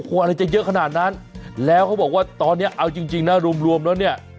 อะไรจะเยอะขนาดนั้นแล้วเขาบอกว่าตอนนี้เอาจริงนะรวมรวมแล้วเนี่ย